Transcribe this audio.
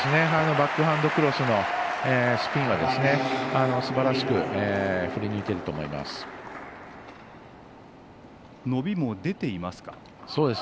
バックハンドクロスのスピンが、すばらしく振り抜けると思います。